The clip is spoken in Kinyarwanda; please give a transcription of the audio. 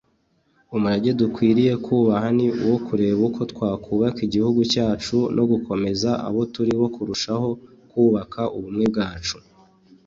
Umurage dukwiye kubaha ni uwo kureba uko twakubaka igihugu cyacu no gukomeza abo turibo turushaho kubaka ubumwe bwacu